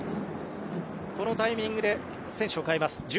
このタイミングで選手を代えます。